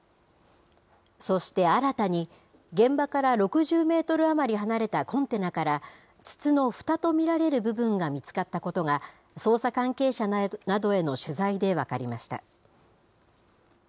そして新たに、現場から６０メートル余り離れたコンテナから、筒のふたと見られる部分が見つかったことが、捜査関係者などへの取材で分かりました。